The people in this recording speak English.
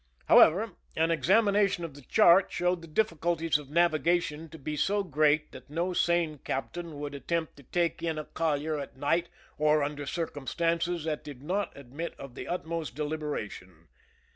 However, an examination of the chart showed the difficulties of navigation to be so great that no sane captain would attempt to take in a collier at night or under circumstances that did not admit of the utmost deliberation.